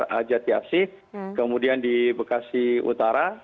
di sekitar jatiasi kemudian di bekasi utara